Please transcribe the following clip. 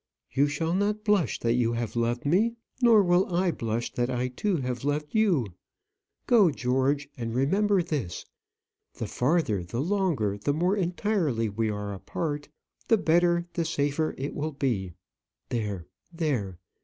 "You shall not blush that you have loved me, nor will I blush that I, too, have loved you. Go, George; and remember this, the farther, the longer, the more entirely we are apart, the better, the safer it will be. There; there.